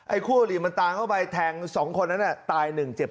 ไอ้คู่หลีมันตามเข้าไปแทง๒คนนั้นเนี่ยตาย๑เจ็บ๑